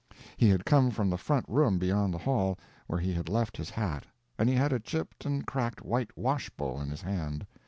He had come from the front room beyond the hall, where he had left his hat, and he had a chipped and cracked white wash bowl in his hand.